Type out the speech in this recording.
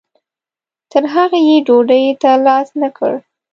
تر هغې یې ډوډۍ ته لاس نه کړ.